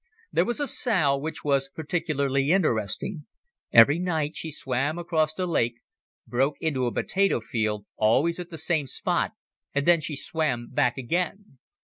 There was a sow which was particularly interesting. Every night she swam across the lake, broke into a potato field, always at the same spot, and then she swam back again.